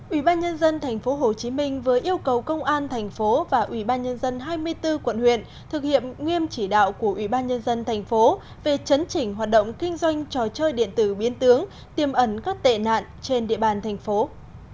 ủy ban nhân dân tp hcm với yêu cầu công an tp hcm và ủy ban nhân dân hai mươi bốn quận huyện thực hiện nguyên chỉ đạo của ủy ban nhân dân tp hcm về chấn chỉnh hoạt động kinh doanh trò chơi điện tử biến tướng tiêm ẩn các tệ nạn trên địa bàn tp hcm